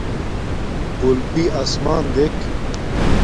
قُلپݵ اَسمݳن دیک.